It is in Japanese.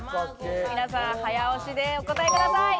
早押しでお答えください。